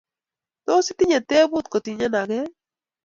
Tos itinye tebut kotinyenokey?